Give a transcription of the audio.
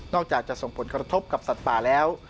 อกจากจะส่งผลกระทบกับสัตว์ป่าแล้ว